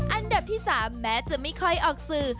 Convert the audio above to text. อันดับที่๓แม้จะไม่ค่อยออกสื่อ